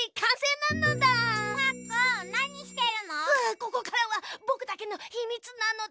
ここからはぼくだけのひみつなのだ！